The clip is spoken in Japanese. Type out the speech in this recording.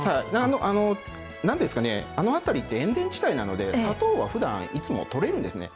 なんですかね、あの辺りって塩田地帯なので、砂糖はふだん、いつも取れるんですね。